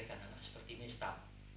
kamu selalu menjaga anak seperti mistam